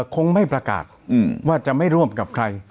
คงไม่ประกาศว่าจะไม่ร่วมกับใคร